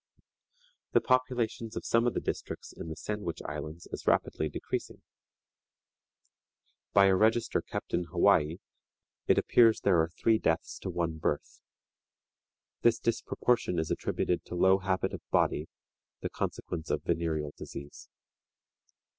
The population of some of the districts in the Sandwich Islands is rapidly decreasing. By a register kept in Hawaii, it appears there are three deaths to one birth. This disproportion is attributed to low habit of body, the consequence of venereal disease.